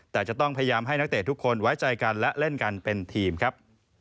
แต่จะต้องพยายามให้นักเตะทุกคนไว้ใจกันและเล่นกันเป็นทีมครับ